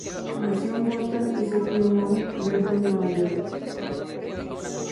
Nació en Boston y se crió en Mount Vernon, Nueva York.